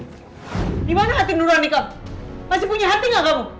dimana hati nurani kamu masih punya hati gak kamu